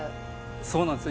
そうなんです。